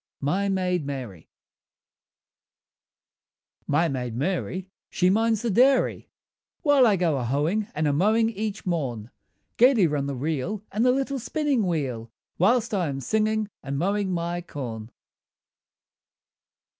MY MAID MARY My maid Mary she minds the dairy, While I go a hoeing and a mowing each morn; Gaily run the reel and the little spinning wheel, Whilst I am singing and mowing my corn.